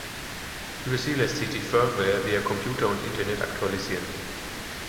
Über sie lässt sich die Firmware via Computer und Internet aktualisieren.